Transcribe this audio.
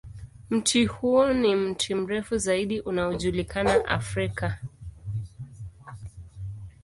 Mti huo ni mti mrefu zaidi unaojulikana Afrika.